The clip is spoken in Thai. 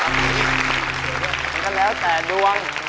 มันก็แล้วแต่ดวง